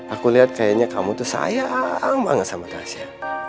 aku liat kayaknya kamu tuh sayang banget sama tasya